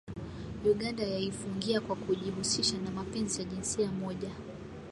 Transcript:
Uganda yaifungia kwa kujihusisha na mapenzi ya jinsia moja